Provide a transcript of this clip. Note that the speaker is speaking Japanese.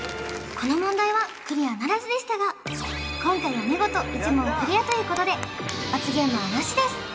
この問題はクリアならずでしたが今回は見事１問クリアということで罰ゲームはなしです